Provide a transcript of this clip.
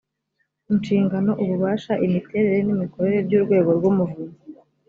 inshingano ububasha imiterere n’imikorere by’urwego rw’umuvunyi